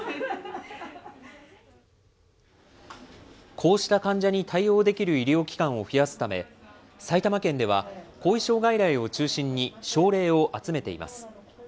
こうした患者に対応できる医療機関を増やすため、埼玉県では後遺症外来を中心に症例を集めています。